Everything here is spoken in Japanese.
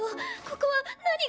ここは何が？